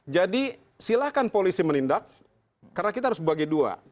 jadi silakan polisi menindak karena kita harus bagi dua